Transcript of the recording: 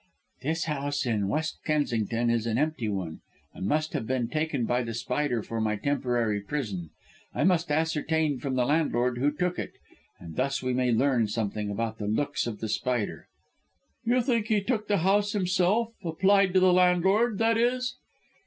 "This house in West Kensington is an empty one, and must have been taken by The Spider for my temporary prison. I must ascertain from the landlord who took it, and thus we may learn something about the looks of The Spider." "You think he took the house himself: applied to the landlord, that is?"